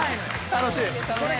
楽しい。